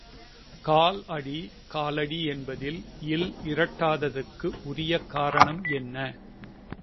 கால் அடி காலடி என்பதில் ல் இரட்டாததற்கு உரிய காரணம் என்ன?